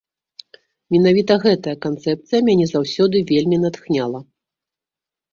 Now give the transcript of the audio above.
Менавіта гэтая канцэпцыя мяне заўсёды вельмі натхняла.